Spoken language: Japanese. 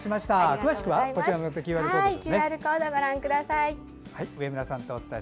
詳しくはＱＲコードをご覧ください。